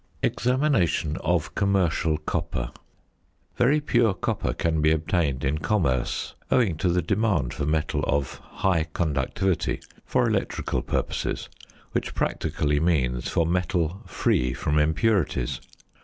EXAMINATION OF COMMERCIAL COPPER. Very pure copper can be obtained in commerce, owing to the demand for metal of "high conductivity" for electrical purposes, which practically means for metal free from impurities.